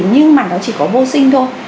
nhưng mà nó chỉ có vô sinh thôi